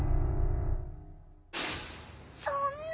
そんな！